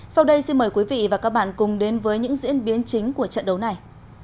sau đây xin mời quý vị và các bạn cùng đến với những diễn biến chính của trận đấu này